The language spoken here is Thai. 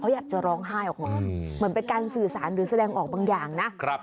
อยากจะร้องไห้ออกมาเหมือนเป็นการสื่อสารหรือแสดงออกบางอย่างนะ